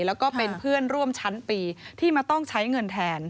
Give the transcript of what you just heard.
แล้วก็เป็นเพื่อนร่วมชั้นปีที่มาต้องใช้เงินแทน